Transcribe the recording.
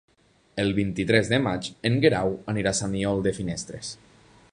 El vint-i-tres de maig en Guerau anirà a Sant Aniol de Finestres.